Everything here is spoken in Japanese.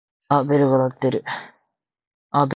あっベルが鳴ってる。